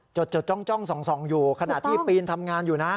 จดจ้องส่องอยู่ขณะที่ปีนทำงานอยู่นะ